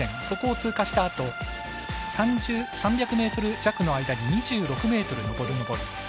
そこを通過したあと３００ｍ弱の間に２６ｍ上る上り。